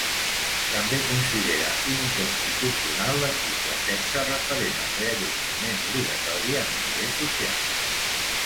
També considera inconstitucional l’article setze, referent al reallotjament obligatori amb lloguer social.